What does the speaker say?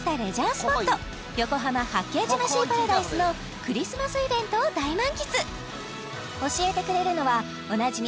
スポット横浜・八景島シーパラダイスのクリスマスイベントを大満喫教えてくれるのはおなじみ